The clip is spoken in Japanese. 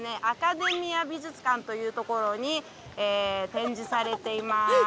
アカデミア美術館というところに展示されています。